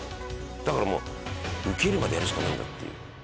だからウケるまでやるしかないんだっていう。